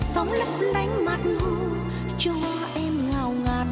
sống lấp lánh mặt hưu cho em ngào ngạt